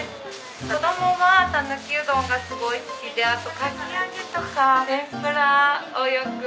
子どもがたぬきうどんがすごい好きであとかき揚げとか天ぷらをよく。